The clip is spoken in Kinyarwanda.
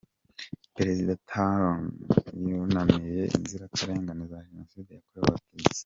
Perezida Talon yunamiwe inzirakarengane za Jenoside yakorewe Abatsi